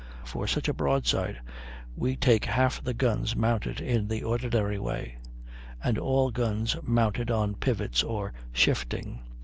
For such a broadside we take half the guns mounted in the ordinary way; and all guns mounted on pivots or shifting.